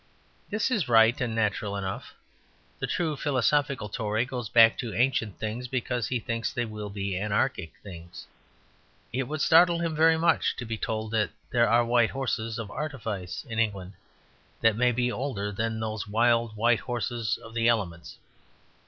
This is right and natural enough. The true philosophical Tory goes back to ancient things because he thinks they will be anarchic things. It would startle him very much to be told that there are white horses of artifice in England that may be older than those wild white horses of the elements.